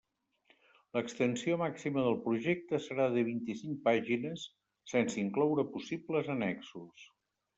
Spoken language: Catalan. L'extensió màxima del projecte serà de vint-i-cinc pàgines, sense incloure possibles annexos.